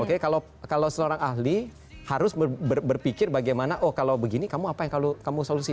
oke kalau seorang ahli harus berpikir bagaimana oh kalau begini kamu apa yang kamu solusi